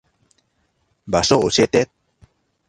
場所教えて。